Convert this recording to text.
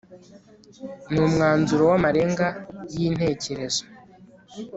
ni umwanzuro w'amarenga y'intekerezo